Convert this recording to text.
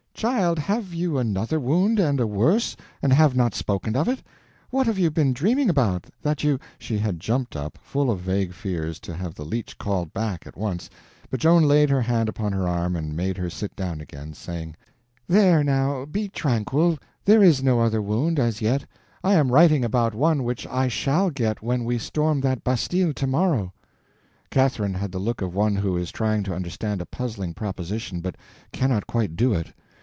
"Child, have you another wound and a worse, and have not spoken of it? What have you been dreaming about, that you—" She had jumped up, full of vague fears, to have the leech called back at once, but Joan laid her hand upon her arm and made her sit down again, saying: "There, now, be tranquil, there is no other wound, as yet; I am writing about one which I shall get when we storm that bastille tomorrow." Catherine had the look of one who is trying to understand a puzzling proposition but cannot quite do it.